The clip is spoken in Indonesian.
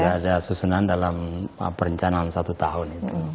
ya sudah ada susunan dalam perencanaan satu tahun